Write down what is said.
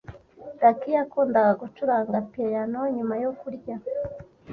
Lucy yakundaga gucuranga piyano nyuma yo kurya.